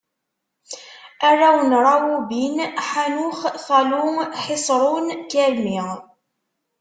Arraw n Rawubin: Ḥanux, Falu, Ḥiṣrun, Karmi.